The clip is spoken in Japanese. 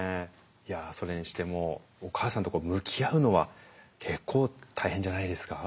いやそれにしてもお母さんと向き合うのは結構大変じゃないですか？